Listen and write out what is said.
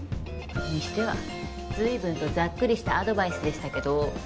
それにしては随分とざっくりしたアドバイスでしたけど。